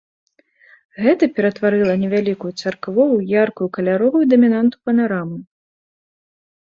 Гэта ператварыла невялікую царкву ў яркую каляровую дамінанту панарамы.